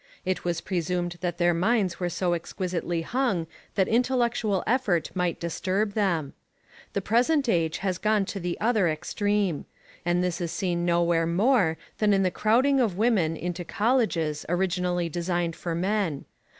It was presumed that their minds were so exquisitely hung that intellectual effort might disturb them. The present age has gone to the other extreme: and this is seen nowhere more than in the crowding of women into colleges originally designed for men.